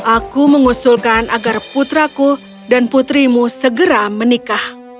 aku mengusulkan agar putraku dan putrimu segera menikah